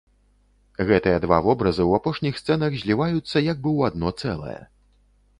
Гэтыя два вобразы ў апошніх сцэнах зліваюцца як бы ў адно цэлае.